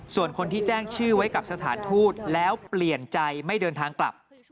ส่วนคนที่แจ้งชื่อไว้กับสถานทูตแล้วเปลี่ยนใจไม่เดินทางกลับ